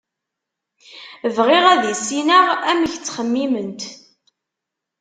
Bɣiɣ ad issineɣ amek i ttxemmiment.